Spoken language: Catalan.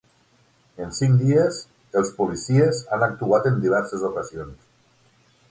En cinc dies, els policies han actuat en diverses ocasions.